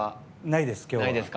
ないです、今日は。